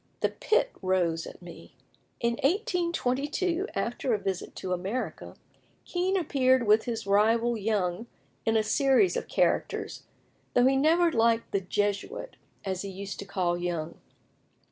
the pit rose at me." In 1822, after a visit to America, Kean appeared with his rival Young in a series of characters, though he never liked "the Jesuit," as he used to call Young.